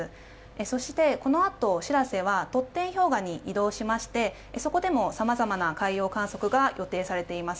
そして、このあと「しらせ」はトッテン氷河に移動しましてそこでも、さまざまな海洋観測が予定されています。